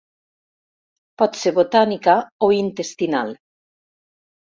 Pot ser botànica o intestinal.